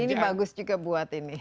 jadi ini bagus juga buat ini